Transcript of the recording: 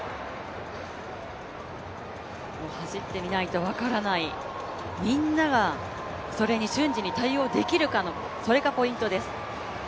走ってみないと分からない、みんながそれに瞬時に対応できるかのそれがポイントです。